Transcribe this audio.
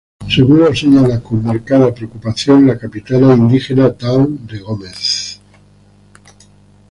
Según lo señala con marcada preocupación la Capitana Indígena Dawn de Gómez.